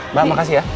mbak makasih ya